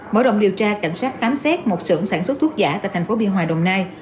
mỗi đồng điều tra cảnh sát khám xét một sưởng sản xuất thuốc giả tại tp biên hòa đồng nai